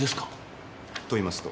といいますと？